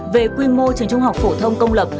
về quy mô trường trung học phổ thông công lập